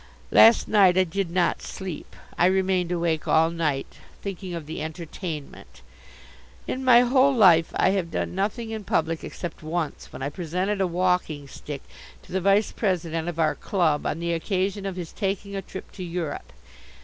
Last night I did not sleep. I remained awake all night thinking of the "entertainment." In my whole life I have done nothing in public except once when I presented a walking stick to the vice president of our club on the occasion of his taking a trip to Europe.